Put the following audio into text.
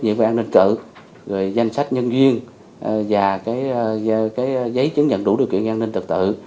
nhiều trách nhiệm an ninh tự danh sách nhân duyên và giấy chứng nhận đủ điều kiện an ninh tự tự